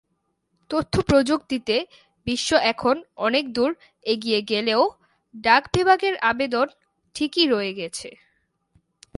তথ্যপ্রযুক্তিতে বিশ্ব এখন অনেক দূর এগিয়ে গেলেও ডাক বিভাগের আবেদন ঠিকই রয়ে গেছে।